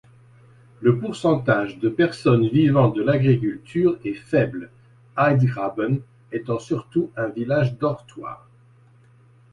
Le pourcentage de personnes vivant de l'agriculture est faible, Heidgraben étant surtout un village-dortoir.